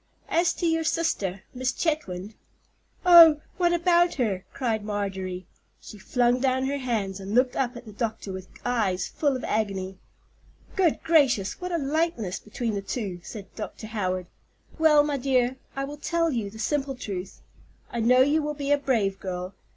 As to your sister, Miss Chetwynd——" "Oh, what about her?" cried Marjorie. She flung down her hands, and looked up at the doctor with eyes full of agony. "Good gracious! what a likeness between the two," said Dr. Howard. "Well, my dear, I will tell you the simple truth. I know you will be a brave girl.